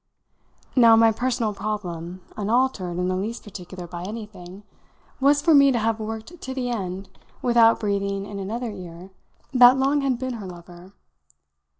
Now my personal problem, unaltered in the least particular by anything, was for me to have worked to the end without breathing in another ear that Long had been her lover.